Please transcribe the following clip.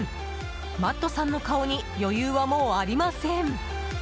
マットさんの顔に余裕はもうありません。